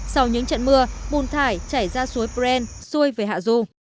sau những trận mưa bùn thải chảy ra suối pren xuôi về hạ du